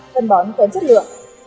phân bón kém chất lượng